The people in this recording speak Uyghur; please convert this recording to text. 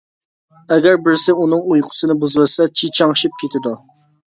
ئەگەر بىرسى ئۇنىڭ ئۇيقۇسىنى بۇزۇۋەتسە چىچاڭشىپ كېتىدۇ.